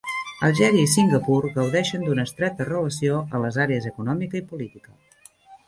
Algèria i Singapur gaudeixen d'una estreta relació en les àrees econòmica i política.